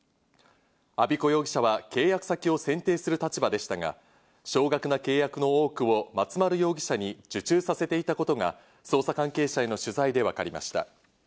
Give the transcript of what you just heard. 安彦容疑者は契約先を選定する立場でしたが、少額な契約の多くを松丸容疑者に受注させていたことが捜査関係者への取材でわかりました。